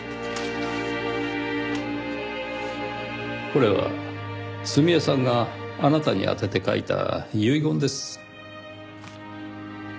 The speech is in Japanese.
これは澄江さんがあなたに宛てて書いた遺言です。